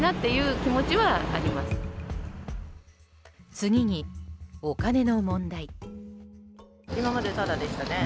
次に、お金の問題。